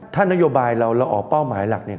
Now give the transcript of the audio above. ถ้านโยบายเราเราออกเป้าหมายหลักเนี่ย